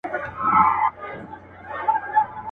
له امیانو څه ګیله ده له مُلا څخه لار ورکه.